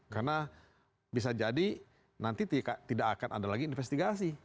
karena bisa jadi nanti tidak akan ada lagi investigasi